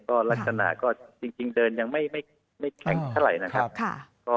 ก็ลักษณะก็จริงเดินยังไม่แข็งเท่าไหร่นะครับ